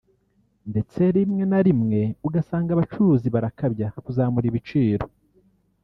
ndetse rimwe na rimwe ugasanga abacuruzi barakabya kuzamura ibiciro